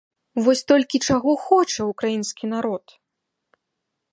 Вось толькі чаго хоча ўкраінскі народ?